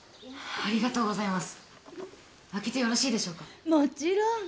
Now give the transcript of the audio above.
ありがとうございます！